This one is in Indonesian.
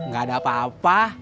gak ada apa apa